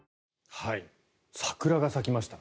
桜が咲きました。